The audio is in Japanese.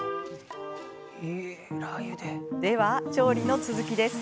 では、調理の続きです。